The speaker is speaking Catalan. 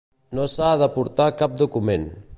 No s'ha d'aportar cap document.